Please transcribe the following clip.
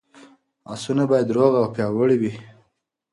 اسونه باید روغ او پیاوړي وي.